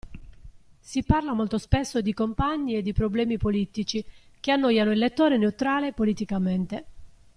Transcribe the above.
Si parla molto spesso di compagni e di problemi politici che annoiano il lettore neutrale politicamente.